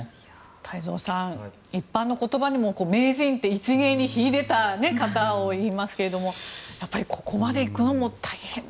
太蔵さん、一般の言葉にも名人って一芸に秀でた方をいいますがやっぱりここまで行くのも大変な。